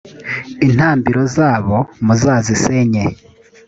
intambiro zabo muzazisenye